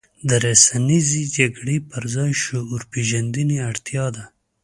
د رسنیزې جګړې پر ځای شعور پېژندنې اړتیا ده.